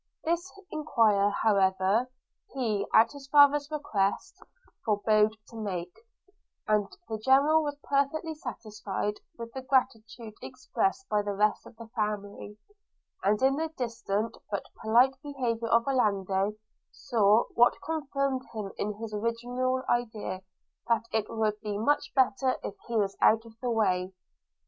This enquiry however, he, at his father's request, forbore to make, and the General was perfectly satisfied with the gratitude expressed by the rest of the family; and in the distant, but polite behaviour of Orlando, saw, what confirmed him in his original idea, that it would be much better if he was out of the way.